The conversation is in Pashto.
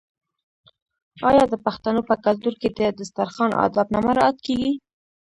آیا د پښتنو په کلتور کې د دسترخان اداب نه مراعات کیږي؟